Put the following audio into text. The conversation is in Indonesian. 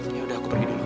ya udah aku pergi dulu